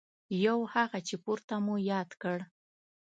یو هغه چې پورته مو یاد کړ.